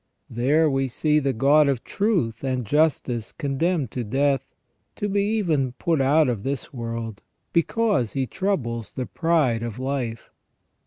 There we see the God of truth and justice condemned to death, to be even put out of this world, because He troubles the pride of life.